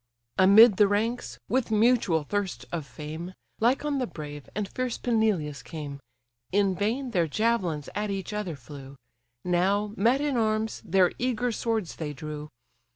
Amid the ranks, with mutual thirst of fame, Lycon the brave, and fierce Peneleus came; In vain their javelins at each other flew, Now, met in arms, their eager swords they drew.